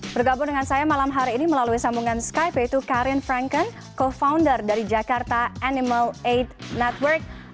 bergabung dengan saya malam hari ini melalui sambungan skype yaitu karin franken co founder dari jakarta animal aids network